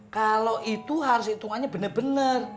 kalau itu harus hitungannya bener bener